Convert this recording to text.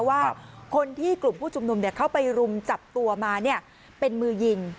ว่าคนที่กลุ่มผู้ชุมนุมเข้าไปรุมจับตัวมาเป็นมือยิง